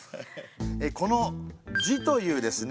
この「字」というですね